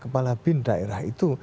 kepala bin daerah itu